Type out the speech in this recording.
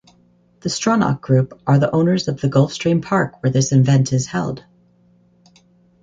The Stronach Group are the owners of Gulfstream Park where this event is held.